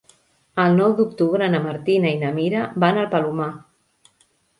El nou d'octubre na Martina i na Mira van al Palomar.